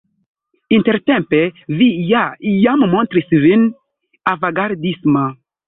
Intertempe vi ja jam montris vin avangardisma!